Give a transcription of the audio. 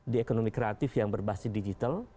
di ekonomi kreatif yang berbasis digital